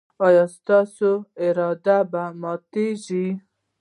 ایا ستاسو اراده به ماتیږي؟